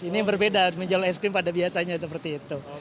ini berbeda menjual es krim pada biasanya seperti itu